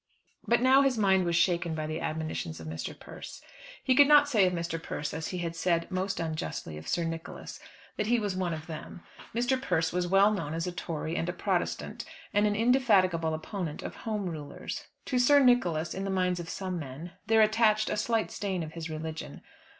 But now his mind was shaken by the admonitions of Mr. Persse. He could not say of Mr. Persse as he had said, most unjustly, of Sir Nicholas, that he was one of them. Mr. Persse was well known as a Tory and a Protestant, and an indefatigable opponent of Home Rulers. To Sir Nicholas, in the minds of some men, there attached a slight stain of his religion.